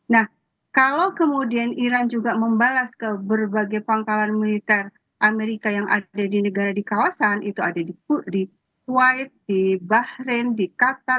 nah kalau kemudian iran juga membalas ke berbagai pangkalan militer amerika yang ada di negara di kawasan itu ada di kuwait di bahrain di qatar